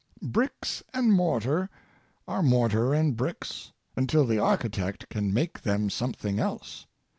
Bricks and mortar are mortar and bricks, until the architect can make them something else.